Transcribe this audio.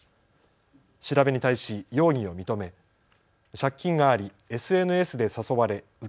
調べに対し容疑を認め借金がありＳＮＳで誘われ受け